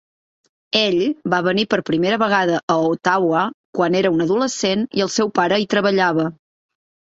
Ell va venir per primera vegada a Ottawa quan era un adolescent i el seu pare hi treballava.